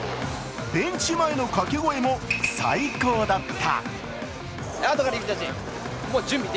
ベンチ前の掛け声も最高だった。